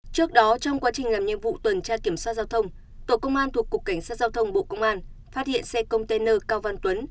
trước đó trong quá trình làm nhiệm vụ tuần tra kiểm soát giao thông tổ công an thuộc cục cảnh sát giao thông bộ công an phát hiện xe container cao văn tuấn